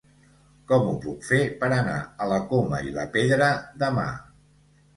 Com ho puc fer per anar a la Coma i la Pedra demà?